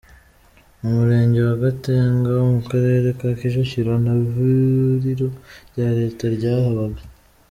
Mu murenge wa Gatenga wo mu karere ka Kicukiro nta vuriro rya Leta ryahabaga.